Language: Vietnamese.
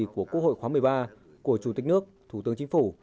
của quốc hội khóa một mươi ba của chủ tịch nước thủ tướng chính phủ